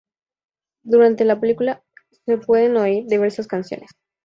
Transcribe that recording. Durante la película, se pueden oír diversas canciones.